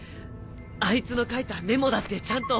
あいつの書いたメモだってちゃんと。